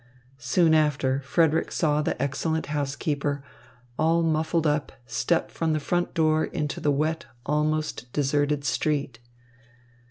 Soon after, Frederick saw the excellent housekeeper, all muffled up, step from the front door into the wet, almost deserted street.